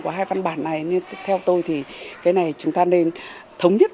của hai văn bản này nên theo tôi thì cái này chúng ta nên thống nhất